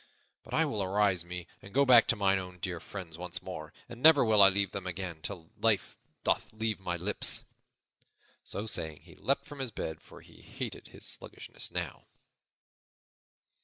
But I will arouse me and go back to mine own dear friends once more, and never will I leave them again till life doth leave my lips." So saying, he leaped from bed, for he hated his sluggishness now.